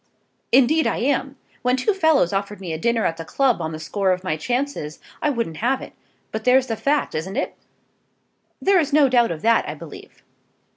"Indeed I am. When two fellows offered me a dinner at the club on the score of my chances, I wouldn't have it. But there's the fact; isn't it?" "There is no doubt of that, I believe."